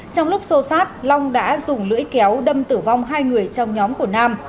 trong lúc xô sát long đã dùng lưỡi kéo đâm tử vong hai người trong nhóm của nam